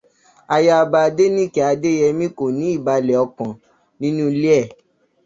Ayaba Adénìké Adéyemí kò ní ìbàlẹ̀ ọkàn nínú ilé ẹ̀